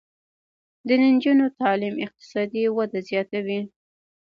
د نجونو تعلیم اقتصادي وده زیاتوي.